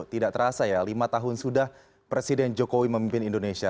tidak terasa ya lima tahun sudah presiden jokowi memimpin indonesia